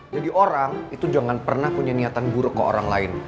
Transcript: jadi orang itu jangan pernah punya niatan buruk ke orang lain